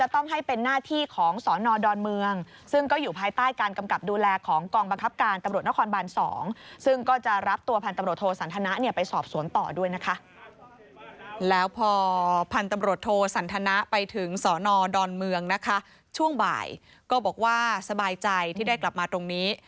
แล้วพอพันธุ์ตำรวจโทสันทนะไปถึงสอนอดอนเมืองนะคะช่วงบ่ายก็บอกว่าสบายใจที่ได้กลับมาตรงนี้